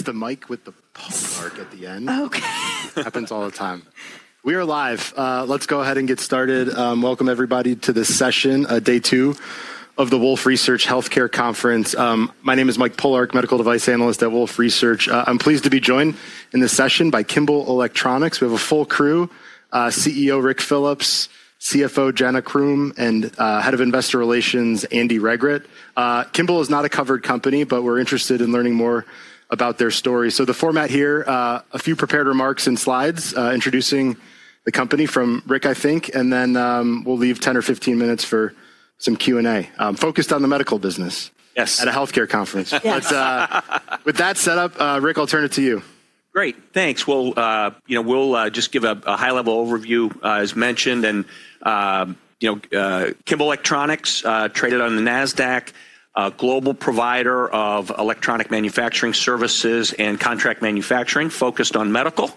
It's the mic with the pole mark at the end. Okay. Happens all the time. We are live. Let's go ahead and get started. Welcome, everybody, to this session, day two of the Wolfe Research Healthcare Conference. My name is Mike Pollard, Medical Device Analyst at Wolfe Research. I'm pleased to be joined in this session by Kimball Electronics. We have a full crew: CEO Rick Phillips, CFO Jana Croom, and Head of Investor Relations Andy Regrut. Kimball is not a covered company, but we're interested in learning more about their story. The format here: a few prepared remarks and slides introducing the company from Rick, I think, and then we'll leave 10 or 15 minutes for some Q&A. Focused on the medical business at a healthcare conference. With that set up, Rick, I'll turn it to you. Great. Thanks. You know, we'll just give a high-level overview, as mentioned. Kimball Electronics traded on the NASDAQ, a global provider of electronic manufacturing services and contract manufacturing focused on medical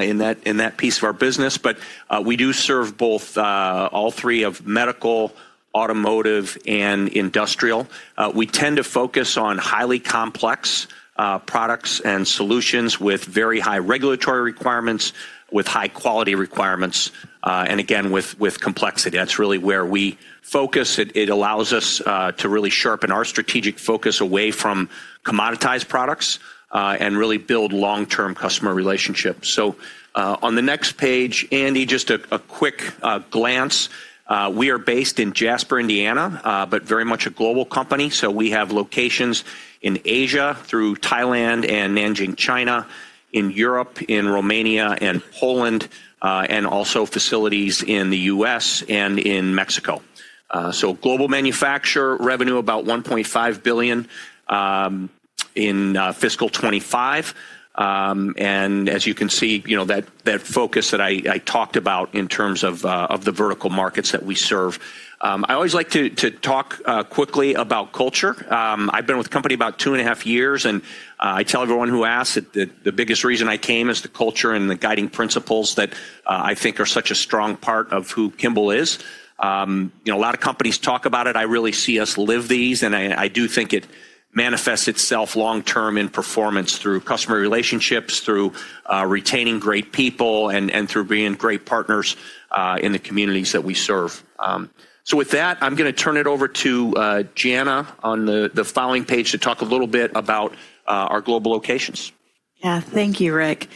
in that piece of our business. We do serve all three of medical, automotive, and industrial. We tend to focus on highly complex products and solutions with very high regulatory requirements, with high-quality requirements, and again, with complexity. That's really where we focus. It allows us to really sharpen our strategic focus away from commoditized products and really build long-term customer relationships. On the next page, Andy, just a quick glance. We are based in Jasper, Indiana, but very much a global company. We have locations in Asia through Thailand and Nanjing, China, in Europe, in Romania and Poland, and also facilities in the U.S. and in Mexico. Global manufacturer revenue, about $1.5 billion in fiscal 2025. And as you can see, you know, that focus that I talked about in terms of the vertical markets that we serve. I always like to talk quickly about culture. I've been with the company about two and a half years. And I tell everyone who asks that the biggest reason I came is the culture and the guiding principles that I think are such a strong part of who Kimball is. You know, a lot of companies talk about it. I really see us live these. And I do think it manifests itself long-term in performance through customer relationships, through retaining great people, and through being great partners in the communities that we serve. With that, I'm going to turn it over to Jana on the following page to talk a little bit about our global locations. Yeah, thank you, Rick.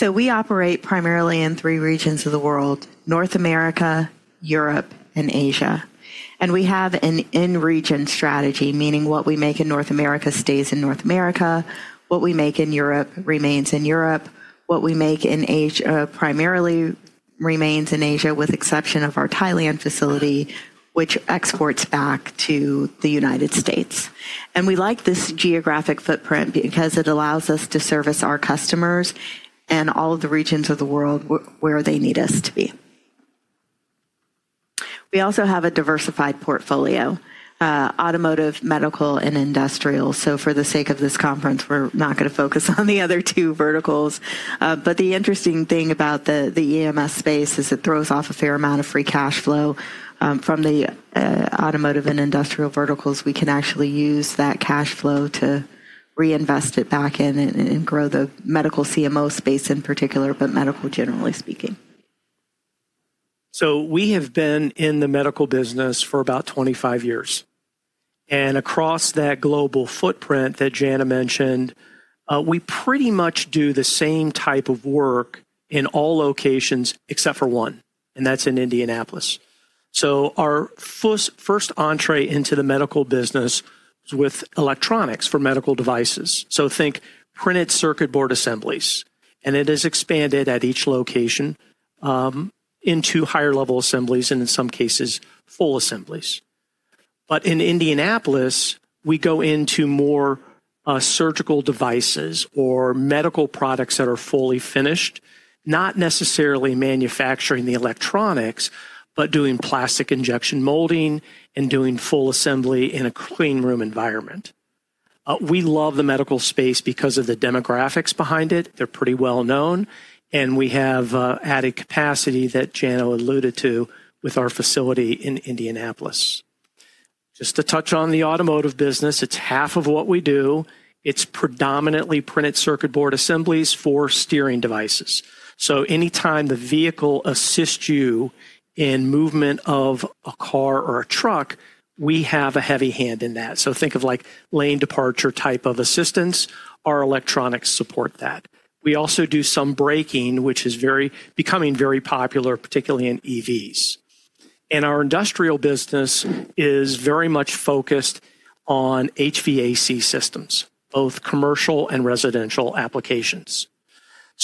We operate primarily in three regions of the world: North America, Europe, and Asia. We have an in-region strategy, meaning what we make in North America stays in North America, what we make in Europe remains in Europe, what we make in Asia primarily remains in Asia, with the exception of our Thailand facility, which exports back to the United States. We like this geographic footprint because it allows us to service our customers in all of the regions of the world where they need us to be. We also have a diversified portfolio: automotive, medical, and industrial. For the sake of this conference, we're not going to focus on the other two verticals. The interesting thing about the EMS space is it throws off a fair amount of free cash flow from the automotive and industrial verticals. We can actually use that cash flow to reinvest it back in and grow the medical CMO space in particular, but medical, generally speaking. We have been in the medical business for about 25 years. Across that global footprint that Jana mentioned, we pretty much do the same type of work in all locations except for one, and that's in Indianapolis. Our first entrée into the medical business was with electronics for medical devices. Think printed circuit board assemblies. It has expanded at each location into higher-level assemblies and, in some cases, full assemblies. In Indianapolis, we go into more surgical devices or medical products that are fully finished, not necessarily manufacturing the electronics, but doing plastic injection molding and doing full assembly in a clean room environment. We love the medical space because of the demographics behind it. They're pretty well known. We have added capacity that Jana alluded to with our facility in Indianapolis. Just to touch on the automotive business, it's half of what we do. It's predominantly printed circuit board assemblies for steering devices. Anytime the vehicle assists you in movement of a car or a truck, we have a heavy hand in that. Think of like lane departure type of assistance. Our electronics support that. We also do some braking, which is becoming very popular, particularly in EVs. Our industrial business is very much focused on HVAC systems, both commercial and residential applications.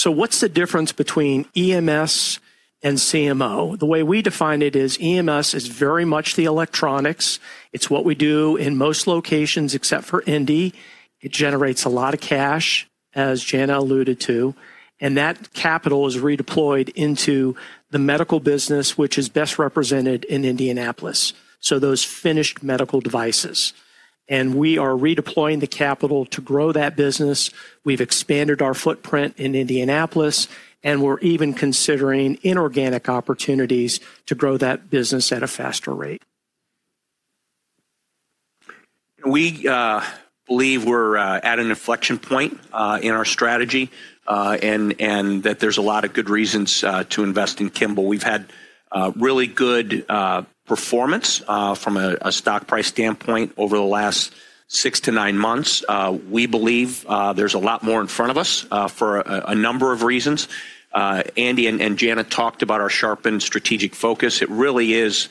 What's the difference between EMS and CMO? The way we define it is EMS is very much the electronics. It's what we do in most locations except for Indy. It generates a lot of cash, as Jana alluded to. That capital is redeployed into the medical business, which is best represented in Indianapolis. Those finished medical devices. We are redeploying the capital to grow that business. We have expanded our footprint in Indianapolis. We are even considering inorganic opportunities to grow that business at a faster rate. We believe we're at an inflection point in our strategy and that there's a lot of good reasons to invest in Kimball Electronics. We've had really good performance from a stock price standpoint over the last six to nine months. We believe there's a lot more in front of us for a number of reasons. Andy and Jana talked about our sharpened strategic focus. It really is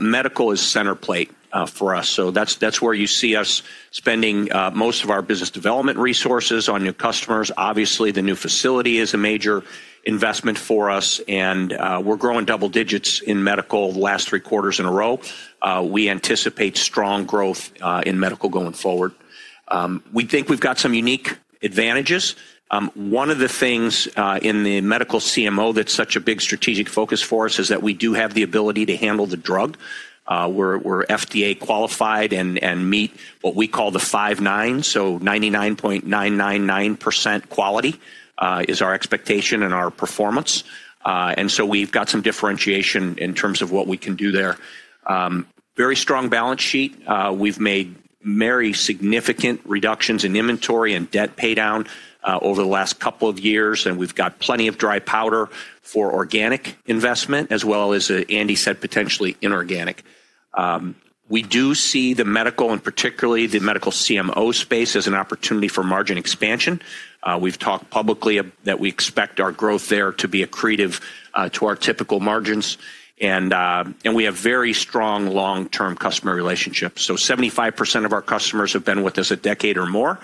medical is center plate for us. That is where you see us spending most of our business development resources on new customers. Obviously, the new facility is a major investment for us. We're growing double digits in medical the last three quarters in a row. We anticipate strong growth in medical going forward. We think we've got some unique advantages. One of the things in the medical CMO that's such a big strategic focus for us is that we do have the ability to handle the drug. We're FDA qualified and meet what we call the five nines. So 99.999% quality is our expectation and our performance. We've got some differentiation in terms of what we can do there. Very strong balance sheet. We've made very significant reductions in inventory and debt paydown over the last couple of years. We've got plenty of dry powder for organic investment, as well as, Andy said, potentially inorganic. We do see the medical, and particularly the medical CMO space, as an opportunity for margin expansion. We've talked publicly that we expect our growth there to be accretive to our typical margins. We have very strong long-term customer relationships. Seventy-five percent of our customers have been with us a decade or more.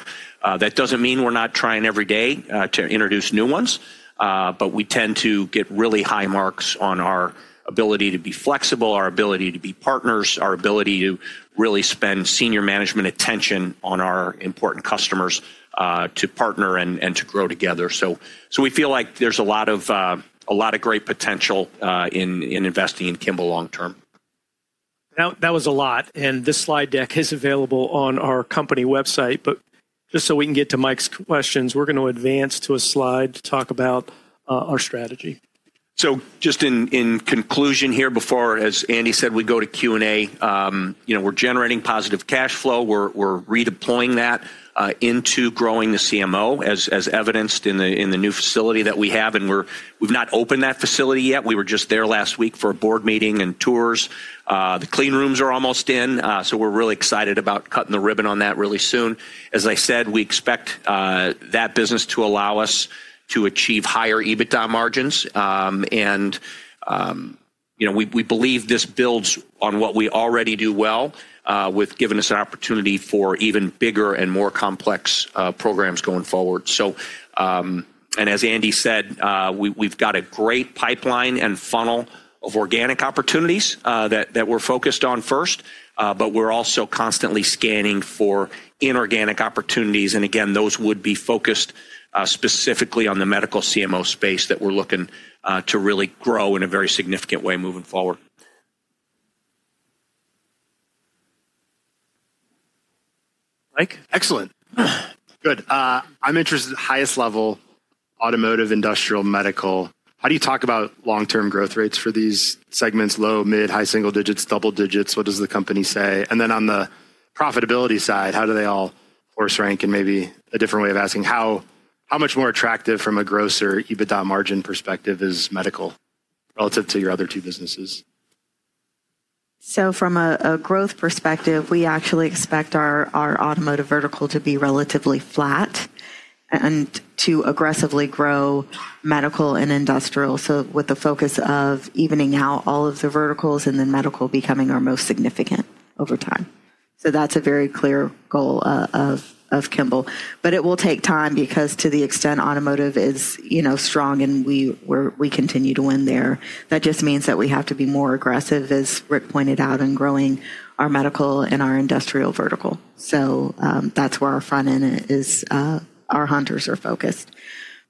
That does not mean we are not trying every day to introduce new ones. We tend to get really high marks on our ability to be flexible, our ability to be partners, our ability to really spend senior management attention on our important customers to partner and to grow together. We feel like there is a lot of great potential in investing in Kimball long-term. That was a lot. This slide deck is available on our company website. Just so we can get to Mike's questions, we're going to advance to a slide to talk about our strategy. Just in conclusion here, before, as Andy said, we go to Q&A. You know, we're generating positive cash flow. We're redeploying that into growing the CMO, as evidenced in the new facility that we have. We've not opened that facility yet. We were just there last week for a board meeting and tours. The clean rooms are almost in. We're really excited about cutting the ribbon on that really soon. As I said, we expect that business to allow us to achieve higher EBITDA margins. We believe this builds on what we already do well, giving us an opportunity for even bigger and more complex programs going forward. As Andy said, we've got a great pipeline and funnel of organic opportunities that we're focused on first. We're also constantly scanning for inorganic opportunities. Those would be focused specifically on the medical CMO space that we're looking to really grow in a very significant way moving forward. Mike? Excellent. Good. I'm interested in the highest level automotive, industrial, medical. How do you talk about long-term growth rates for these segments? Low, mid, high single digits, double digits? What does the company say? On the profitability side, how do they all horse rank? Maybe a different way of asking, how much more attractive from a gross or EBITDA margin perspective is medical relative to your other two businesses? From a growth perspective, we actually expect our automotive vertical to be relatively flat and to aggressively grow medical and industrial. With the focus of evening out all of the verticals and then medical becoming our most significant over time. That is a very clear goal of Kimball. It will take time because to the extent automotive is strong and we continue to win there, that just means that we have to be more aggressive, as Rick pointed out, in growing our medical and our industrial vertical. That is where our front end is, our hunters are focused.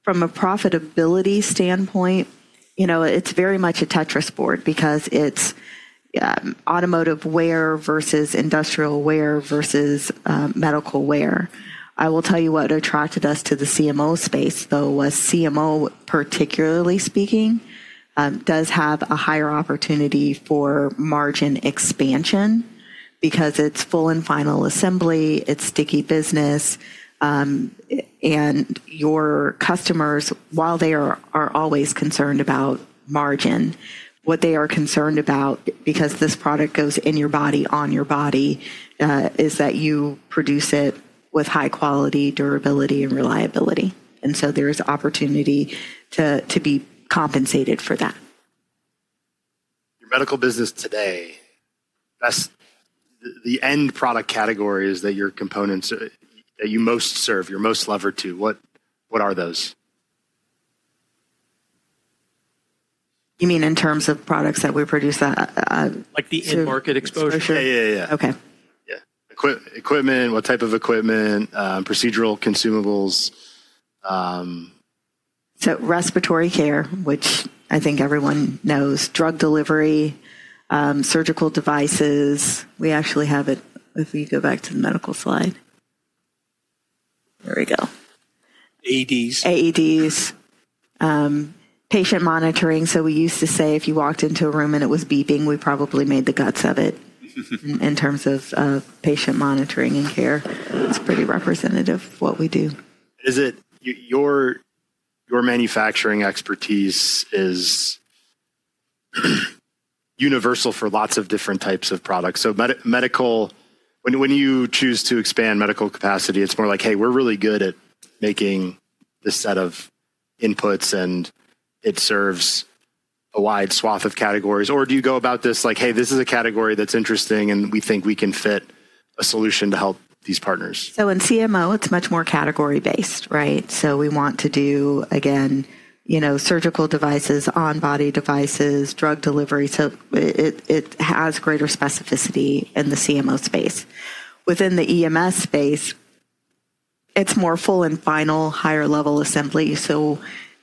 From a profitability standpoint, you know, it is very much a Tetris board because it is automotive where versus industrial where versus medical where. I will tell you what attracted us to the CMO space, though, was CMO, particularly speaking, does have a higher opportunity for margin expansion because it is full and final assembly. It is sticky business. Your customers, while they are always concerned about margin, what they are concerned about, because this product goes in your body, on your body, is that you produce it with high quality, durability, and reliability. There is opportunity to be compensated for that. Your medical business today, the end product categories that your components that you most serve, you're most levered to, what are those? You mean in terms of products that we produce? Like the in-market exposure? For sure. Yeah, yeah. OK. Yeah. Equipment, what type of equipment? Procedural consumables? Respiratory care, which I think everyone knows, drug delivery, surgical devices. We actually have it if you go back to the medical slide. There we go. AEDs. AEDs. Patient monitoring. We used to say if you walked into a room and it was beeping, we probably made the guts of it in terms of patient monitoring and care. It is pretty representative of what we do. Is it your manufacturing expertise is universal for lots of different types of products? So medical, when you choose to expand medical capacity, it's more like, hey, we're really good at making this set of inputs and it serves a wide swath of categories. Or do you go about this like, hey, this is a category that's interesting and we think we can fit a solution to help these partners? In CMO, it's much more category-based, right? We want to do, again, you know, surgical devices, on-body devices, drug delivery. It has greater specificity in the CMO space. Within the EMS space, it's more full and final, higher-level assembly.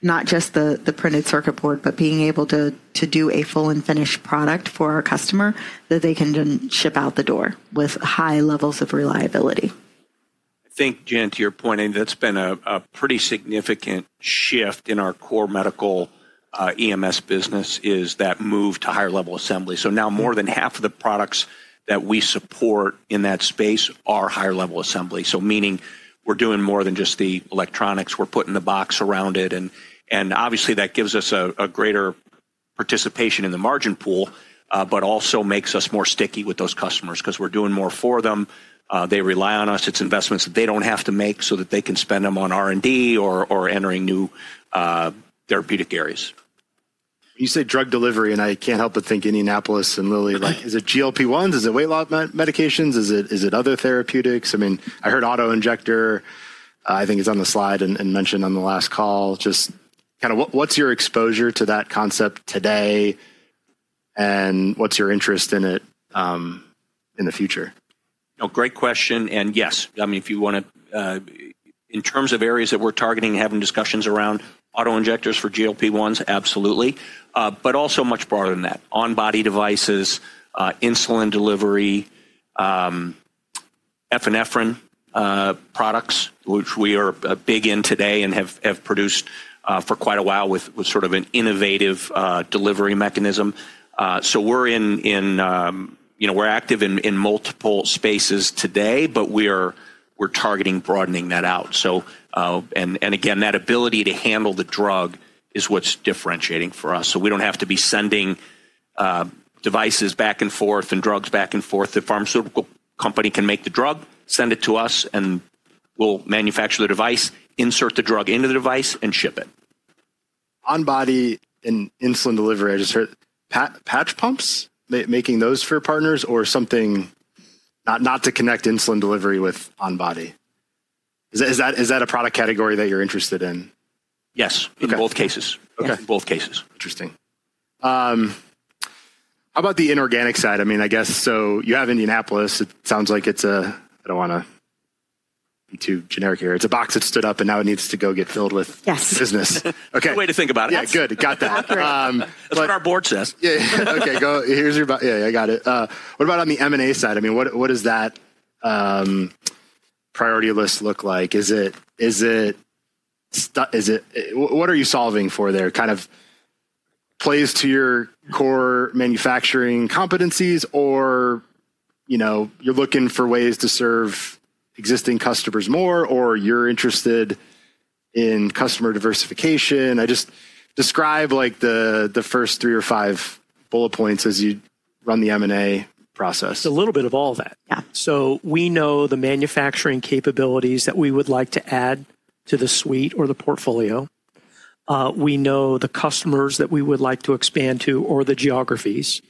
Not just the printed circuit board, but being able to do a full and finished product for our customer that they can then ship out the door with high levels of reliability. I think, Jana, to your point, that's been a pretty significant shift in our core medical EMS business is that move to higher-level assembly. Now more than half of the products that we support in that space are higher-level assembly. Meaning we're doing more than just the electronics. We're putting the box around it. Obviously, that gives us a greater participation in the margin pool, but also makes us more sticky with those customers because we're doing more for them. They rely on us. It's investments that they don't have to make so that they can spend them on R&D or entering new therapeutic areas. You said drug delivery, and I can't help but think Indianapolis and Lilly. Is it GLP-1s? Is it weight loss medications? Is it other therapeutics? I mean, I heard auto injector. I think it's on the slide and mentioned on the last call. Just kind of what's your exposure to that concept today? And what's your interest in it in the future? Great question. Yes, I mean, if you want to, in terms of areas that we're targeting and having discussions around auto injectors for GLP-1s, absolutely. Also, much broader than that, on-body devices, insulin delivery, epinephrine products, which we are big in today and have produced for quite a while with sort of an innovative delivery mechanism. We're in, you know, we're active in multiple spaces today, but we're targeting broadening that out. Again, that ability to handle the drug is what's differentiating for us. We do not have to be sending devices back and forth and drugs back and forth. The pharmaceutical company can make the drug, send it to us, and we'll manufacture the device, insert the drug into the device, and ship it. On-body and insulin delivery, I just heard patch pumps, making those for partners or something, not to connect insulin delivery with on-body. Is that a product category that you're interested in? Yes, in both cases. OK. In both cases. Interesting. How about the inorganic side? I mean, I guess, you have Indianapolis. It sounds like it's a, I don't want to be too generic here. It's a box that stood up, and now it needs to go get filled with business. Good way to think about it. Yeah, good. Got that. That's what our board says. Yeah, yeah. OK, here's your, yeah, yeah, I got it. What about on the M&A side? I mean, what does that priority list look like? What are you solving for there? Kind of plays to your core manufacturing competencies or, you know, you're looking for ways to serve existing customers more or you're interested in customer diversification? Just describe like the first three or five bullet points as you run the M&A process. It's a little bit of all that. Yeah. So we know the manufacturing capabilities that we would like to add to the suite or the portfolio. We know the customers that we would like to expand to or the geographies.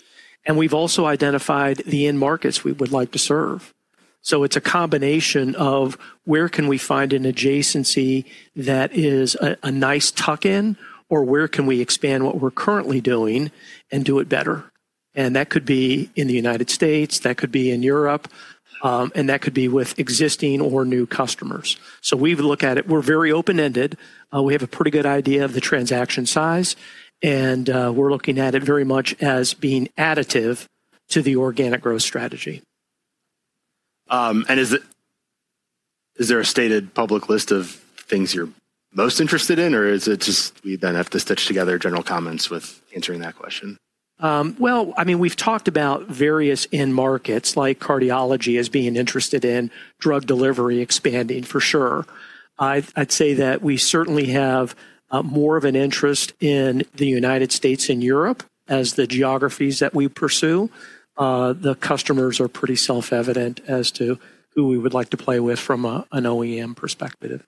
And we've also identified the end markets we would like to serve. So it's a combination of where can we find an adjacency that is a nice tuck-in or where can we expand what we're currently doing and do it better. And that could be in the United States. That could be in Europe. And that could be with existing or new customers. So we look at it, we're very open-ended. We have a pretty good idea of the transaction size. And we're looking at it very much as being additive to the organic growth strategy. And is there a stated public list of things you're most interested in or is it just we then have to stitch together general comments with answering that question? Well, I mean, we've talked about various end markets like cardiology as being interested in drug delivery expanding for sure. I'd say that we certainly have more of an interest in the United States and Europe as the geographies that we pursue. The customers are pretty self-evident as to who we would like to play with from an OEM perspective.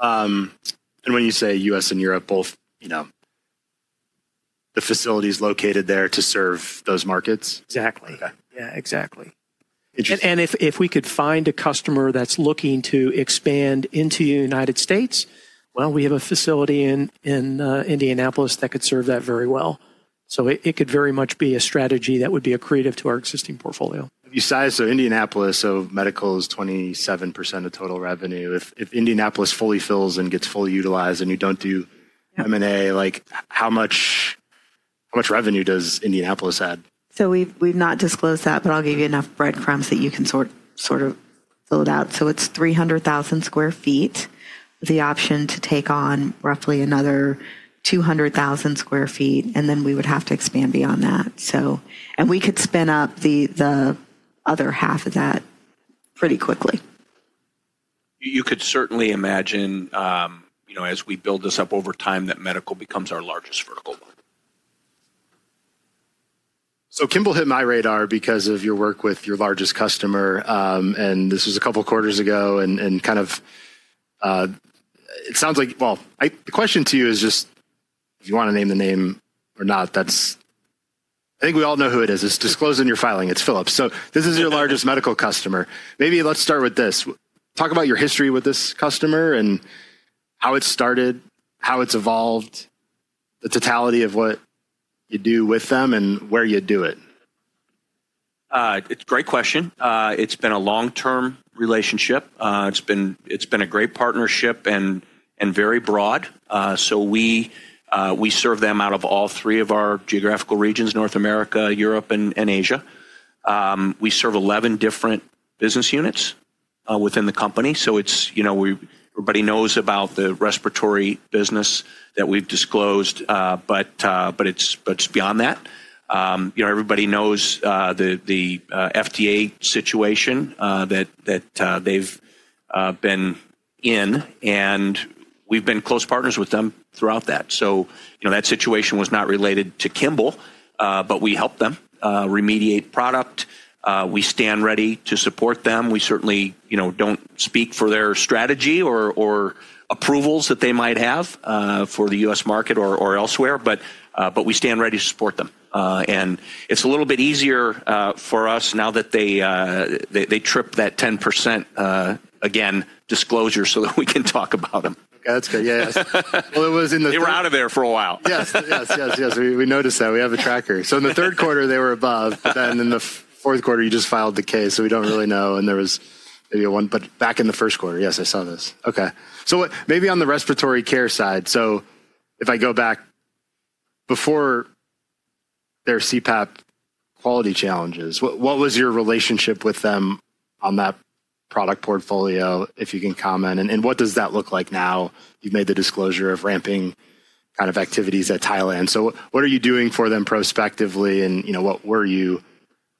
And when you say U.S. and Europe, both, you know, the facility is located there to serve those markets? Exactly. OK. Yeah, exactly. Interesting. And if we could find a customer that's looking to expand into the United States, well, we have a facility in Indianapolis that could serve that very well. So it could very much be a strategy that would be accretive to our existing portfolio. If you size to Indianapolis, so medical is 27% of total revenue. If Indianapolis fully fills and gets fully utilized and you don't do M&A, like how much revenue does Indianapolis add? So we've not disclosed that, but I'll give you enough breadcrumbs that you can sort of fill it out. So it's 300,000 sq ft with the option to take on roughly another 200,000 sq ft. And then we would have to expand beyond that. And we could spin up the other half of that pretty quickly. You could certainly imagine, you know, as we build this up over time, that medical becomes our largest vertical. So Kimball hit my radar because of your work with your largest customer. And this was a couple of quarters ago. And kind of it sounds like, well, the question to you is just, if you want to name the name or not, that's I think we all know who it is. It's disclosed in your filing. It's Phillips. So this is your largest medical customer. Maybe let's start with this. Talk about your history with this customer and how it started, how it's evolved, the totality of what you do with them and where you do it. It's a great question. It's been a long-term relationship. It's been a great partnership and very broad. So we serve them out of all three of our geographical regions, North America, Europe, and Asia. We serve 11 different business units within the company. So it's, you know, everybody knows about the respiratory business that we've disclosed, but it's beyond that. You know, everybody knows the FDA situation that they've been in. And we've been close partners with them throughout that. So that situation was not related to Kimball, but we helped them remediate product. We stand ready to support them. We certainly don't speak for their strategy or approvals that they might have for the U.S. market or elsewhere, but we stand ready to support them. And it's a little bit easier for us now that they tripped that 10% again disclosure so that we can talk about them. OK, that's good. Yeah, yeah. It was in the. They were out of there for a while. Yes, yes, yes, yes. We noticed that. We have a tracker. So in the third quarter, they were above. But then in the fourth quarter, you just filed the case. So we don't really know. And there was maybe one, but back in the first quarter. Yes, I saw this. OK. So maybe on the respiratory care side, so if I go back before their CPAP quality challenges, what was your relationship with them on that product portfolio, if you can comment? And what does that look like now? You've made the disclosure of ramping kind of activities at Thailand. So what are you doing for them prospectively? And what were you,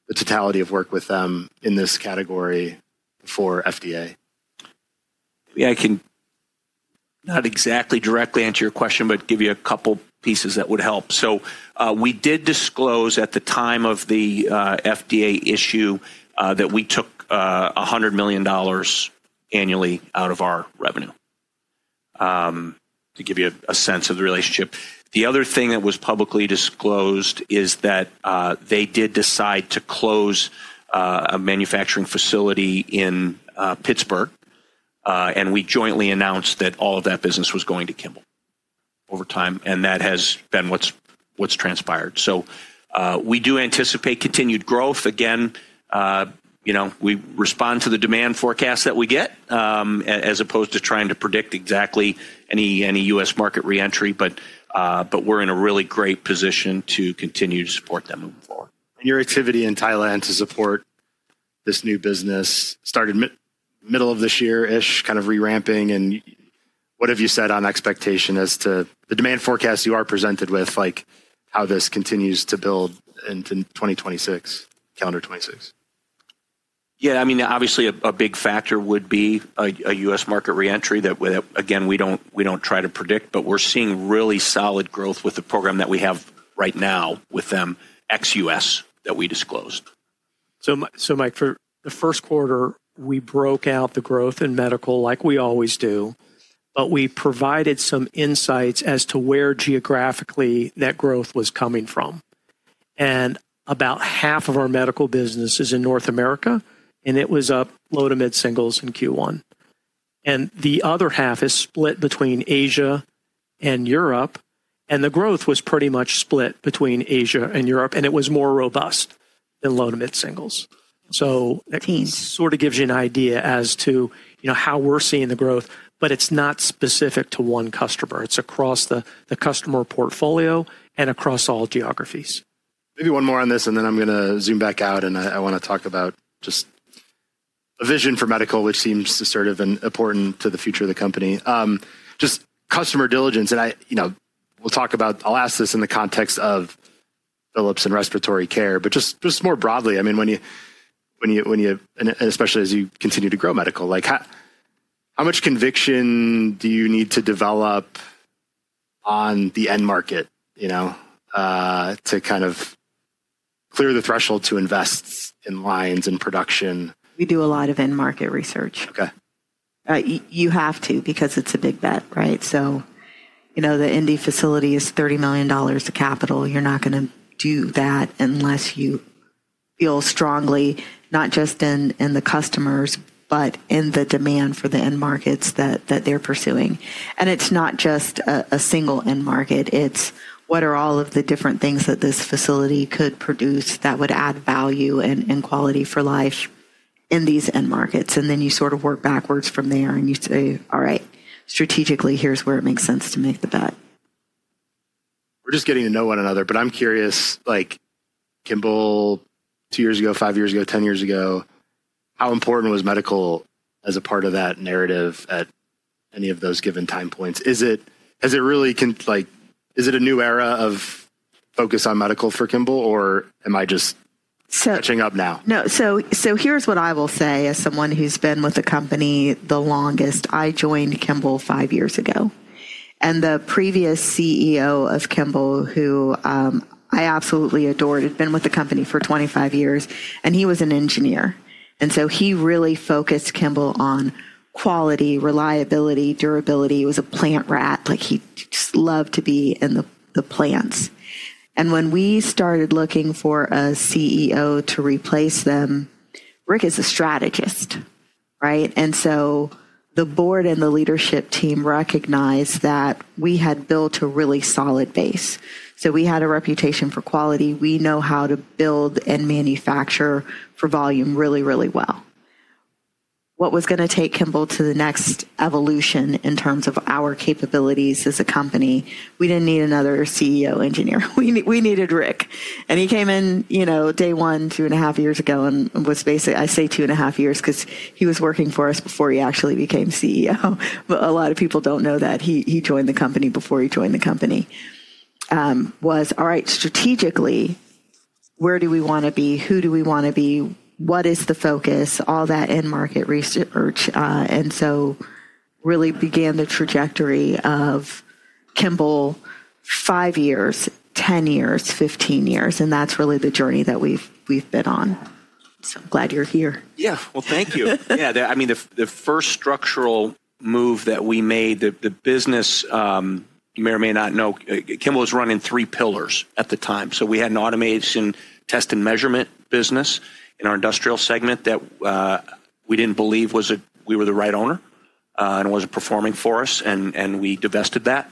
the totality of work with them in this category for FDA? Yeah, I cannot exactly directly answer your question, but give you a couple pieces that would help. We did disclose at the time of the FDA issue that we took $100 million annually out of our revenue to give you a sense of the relationship. The other thing that was publicly disclosed is that they did decide to close a manufacturing facility in Pittsburgh. We jointly announced that all of that business was going to Kimball over time. That has been what has transpired. We do anticipate continued growth. Again, you know, we respond to the demand forecast that we get as opposed to trying to predict exactly any U.S. market reentry. We are in a really great position to continue to support them moving forward. And your activity in Thailand to support this new business started middle of this year-ish, kind of reramping. And what have you said on expectation as to the demand forecast you are presented with, like how this continues to build into 2026, calendar '26? Yeah, I mean, obviously, a big factor would be a U.S. market reentry that, again, we don't try to predict. But we're seeing really solid growth with the program that we have right now with them ex-U.S. that we disclosed. So Mike, for the first quarter, we broke out the growth in medical like we always do. But we provided some insights as to where geographically that growth was coming from. And about half of our medical business is in North America. And it was up low to mid singles in Q1. And the other half is split between Asia and Europe. And the growth was pretty much split between Asia and Europe. And it was more robust than low to mid singles. Teens. So that sort of gives you an idea as to how we're seeing the growth. But it's not specific to one customer. It's across the customer portfolio and across all geographies. Maybe one more on this. And then I'm going to zoom back out. And I want to talk about just a vision for medical, which seems sort of important to the future of the company. Just customer diligence. And we'll talk about, I'll ask this in the context of Phillips and respiratory care. But just more broadly, I mean, when you, and especially as you continue to grow medical, how much conviction do you need to develop on the end market, you know, to kind of clear the threshold to invest in lines and production? We do a lot of end market research. OK. You have to because it's a big bet, right? So you know the Indy facility is $30 million of capital. You're not going to do that unless you feel strongly, not just in the customers, but in the demand for the end markets that they're pursuing. And it's not just a single end market. It's what are all of the different things that this facility could produce that would add value and quality for life in these end markets. And then you sort of work backwards from there. And you say, all right, strategically, here's where it makes sense to make the bet. We're just getting to know one another. But I'm curious, like Kimball, two years ago, five years ago, 10 years ago, how important was medical as a part of that narrative at any of those given time points? Has it really, like is it a new era of focus on medical for Kimball? Or am I just catching up now? No, so here's what I will say as someone who's been with the company the longest. I joined Kimball five years ago. And the previous CEO of Kimball, who I absolutely adored, had been with the company for 25 years. And he was an engineer. And so he really focused Kimball on quality, reliability, durability. He was a plant rat. Like he just loved to be in the plants. And when we started looking for a CEO to replace them, Rick is a strategist, right? And so the board and the leadership team recognized that we had built a really solid base. So we had a reputation for quality. We know how to build and manufacture for volume really, really well. What was going to take Kimball to the next evolution in terms of our capabilities as a company, we didn't need another CEO engineer. We needed Rick. And he came in, you know, day one, two and a half years ago. And was basically, I say two and a half years because he was working for us before he actually became CEO. But a lot of people don't know that. He joined the company before he joined the company. Was, all right, strategically, where do we want to be? Who do we want to be? What is the focus? All that end market research. And so really began the trajectory of Kimball, five years, 10 years, 15 years. And that's really the journey that we've been on. So I'm glad you're here. Yeah, thank you. Yeah, I mean, the first structural move that we made, the business, you may or may not know, Kimball was running three pillars at the time. We had an automation test and measurement business in our industrial segment that we did not believe we were the right owner. It was not performing for us. We divested that.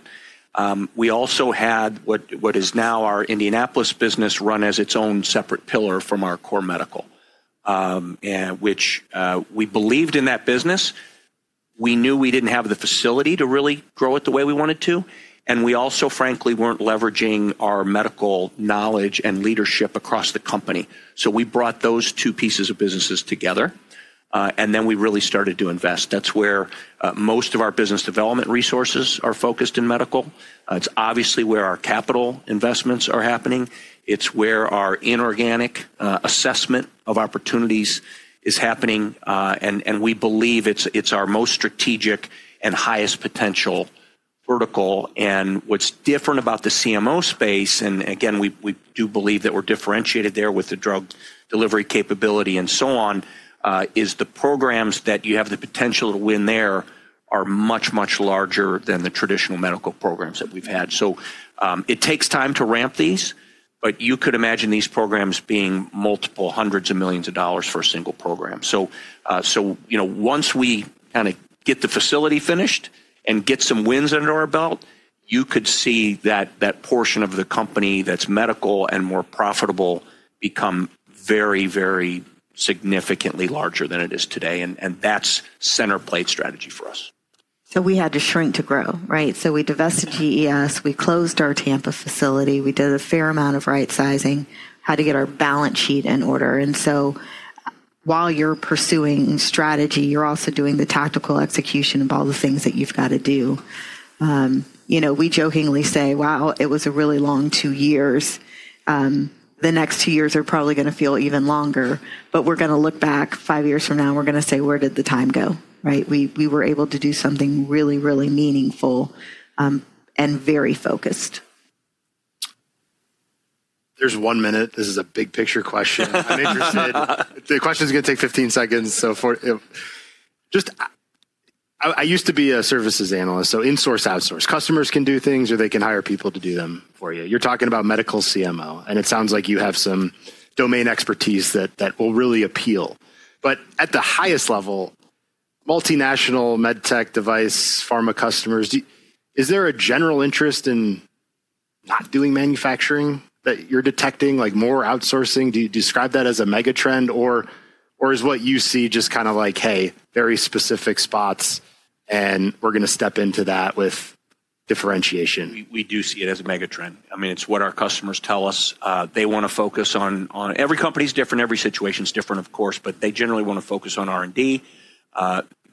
We also had what is now our Indianapolis business run as its own separate pillar from our core medical, which we believed in that business. We knew we did not have the facility to really grow it the way we wanted to. We also, frankly, were not leveraging our medical knowledge and leadership across the company. We brought those two pieces of businesses together. Then we really started to invest. That is where most of our business development resources are focused in medical. It's obviously where our capital investments are happening. It's where our inorganic assessment of opportunities is happening. We believe it's our most strategic and highest potential vertical. What's different about the CMO space, and again, we do believe that we're differentiated there with the drug delivery capability and so on, is the programs that you have the potential to win there are much, much larger than the traditional medical programs that we've had. It takes time to ramp these. You could imagine these programs being multiple hundreds of millions of dollars for a single program. Once we kind of get the facility finished and get some wins under our belt, you could see that that portion of the company that's medical and more profitable become very, very significantly larger than it is today. That's center plate strategy for us. We had to shrink to grow, right? We divested GES. We closed our Tampa facility. We did a fair amount of right sizing, had to get our balance sheet in order. While you're pursuing strategy, you're also doing the tactical execution of all the things that you've got to do. You know, we jokingly say, wow, it was a really long two years. The next two years are probably going to feel even longer. We're going to look back five years from now. We're going to say, where did the time go, right? We were able to do something really, really meaningful and very focused. There's one minute. This is a big picture question. I'm interested. The question is going to take 15 seconds. Just I used to be a services analyst. In-source, out-source. Customers can do things or they can hire people to do them for you. You're talking about medical CMO. It sounds like you have some domain expertise that will really appeal. At the highest level, multinational medtech device pharma customers, is there a general interest in not doing manufacturing that you're detecting, like more outsourcing? Do you describe that as a mega trend? Or is what you see just kind of like, hey, very specific spots, and we're going to step into that with differentiation? We do see it as a mega trend. I mean, it's what our customers tell us. They want to focus on every company's different. Every situation's different, of course. They generally want to focus on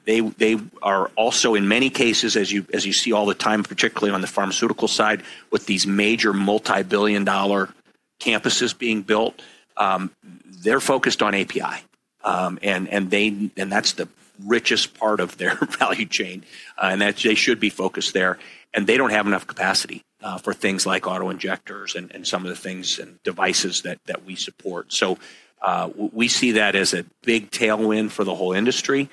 R&D. They are also, in many cases, as you see all the time, particularly on the pharmaceutical side, with these major multi-billion dollar campuses being built, they're focused on API. That's the richest part of their value chain. They should be focused there. They don't have enough capacity for things like auto injectors and some of the things and devices that we support. We see that as a big tailwind for the whole industry.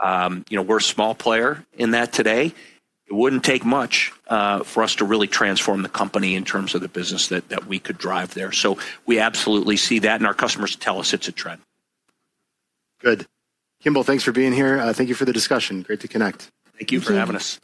We're a small player in that today. It wouldn't take much for us to really transform the company in terms of the business that we could drive there. We absolutely see that. Our customers tell us it's a trend. Good. Kimball, thanks for being here. Thank you for the discussion. Great to connect. Thank you for having us.